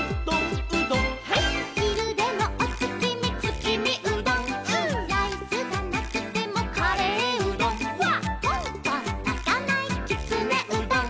「ひるでもおつきみつきみうどん」「」「ライスがなくてもカレーうどん」「」「こんこんなかないきつねうどん」「」